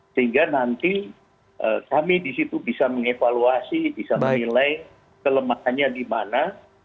sehingga nanti kami di situ bisa mengevaluasi bisa menilai kelemahannya di mana